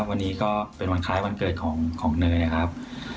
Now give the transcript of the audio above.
วันนี้ก็เป็นวันคล้ายวันเกิดของเนยนะครับ